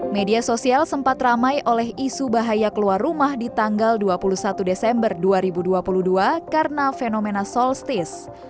media sosial sempat ramai oleh isu bahaya keluar rumah di tanggal dua puluh satu desember dua ribu dua puluh dua karena fenomena solstice